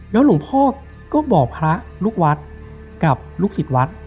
หลวงพ่อก็บอกพระลูกวัดกับลูกศิษย์วัด